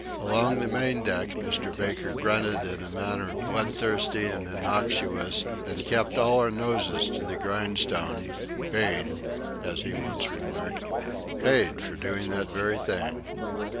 Along the main deck, Mr. Baker grunted in a manner bloodthirsty and innocuous; and kept all our noses to the grindstone, being as he once remarked paid for doing that very thing.